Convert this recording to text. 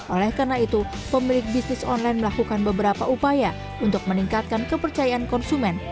oleh karena itu pemilik bisnis online melakukan beberapa upaya untuk meningkatkan kepercayaan konsumen